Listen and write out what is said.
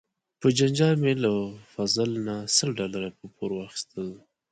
په جنجال مې له فضل نه سل ډالره په پور واخیستل.